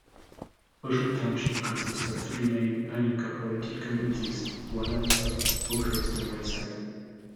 Ocean Township consists of three main unincorporated communities: Wanamassa, Oakhurst and Wayside.